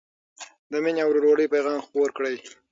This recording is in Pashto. د مینې او ورورولۍ پيغام خپور کړئ.